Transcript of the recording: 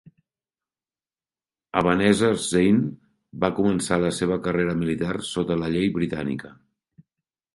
Ebenezer Zane va començar la seva carrera militar sota la llei britànica.